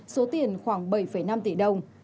số tiền khoảng bảy năm tỷ đồng